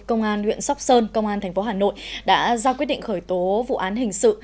công an huyện sóc sơn công an tp hà nội đã ra quyết định khởi tố vụ án hình sự